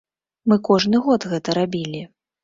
Мы кожны год гэта рабілі.